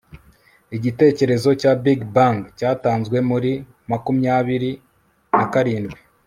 igitekerezo cya big bang cyatanzwe muri makumyabiri na karindwi